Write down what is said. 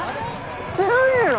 知らねえの？